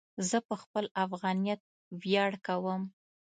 زه په خپل افغانیت ویاړ کوم.